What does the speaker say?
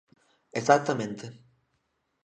¡Exactamente!